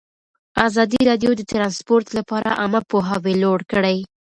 ازادي راډیو د ترانسپورټ لپاره عامه پوهاوي لوړ کړی.